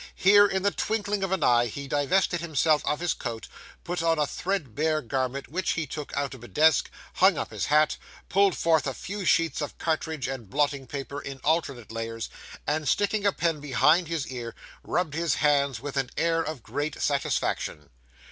Here, in the twinkling of an eye, he divested himself of his coat, put on a threadbare garment, which he took out of a desk, hung up his hat, pulled forth a few sheets of cartridge and blotting paper in alternate layers, and, sticking a pen behind his ear, rubbed his hands with an air of great satisfaction.